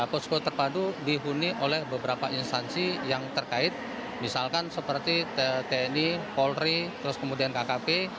posko terpadu dihuni oleh beberapa instansi yang terkait misalkan seperti tni polri terus kemudian kkp